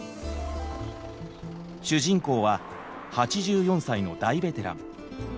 主人公は８４歳の大ベテラン。